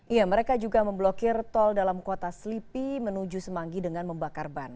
iya mereka juga memblokir tol dalam kota selipi menuju semanggi dengan membakar ban